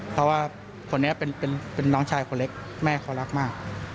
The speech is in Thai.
เพราะว่าคนนี้เป็นน้องชายคนเล็กแม่เขารักมาก